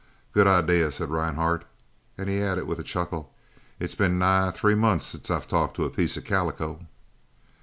"Good idea," said Rhinehart, and he added with a chuckle, "it's been nigh three months since I've talked to a piece of calico."